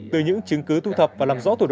từ những chứng cứ thu thập và làm rõ